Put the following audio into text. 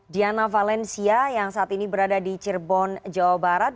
diana valencia yang saat ini berada di cirebon jawa barat